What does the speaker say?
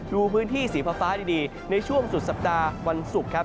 ดูพื้นที่สีฟ้าดีในช่วงสุดสัปดาห์วันศุกร์ครับ